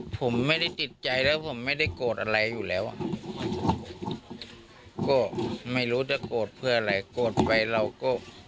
ผมไม่ได้ติดใจแล้วผมไม่ได้โกรธอะไรอยู่แล้วอ่ะก็ไม่รู้จะโกรธเพื่ออะไรโกรธไปเราก็